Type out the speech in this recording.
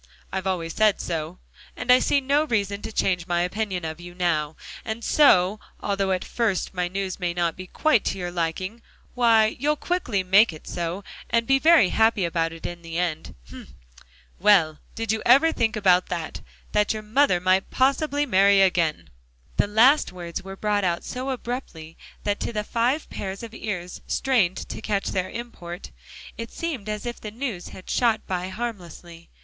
I've always said so, and I see no reason to change my opinion of you now. And so, although at first my news may not be quite to your liking, why, you'll quickly make it so, and be very happy about it in the end. Hem! well, did you ever think that that your mother might possibly marry again?" The last words were brought out so abruptly, that to the five pairs of ears strained to catch their import, it seemed as if the news had shot by harmlessly.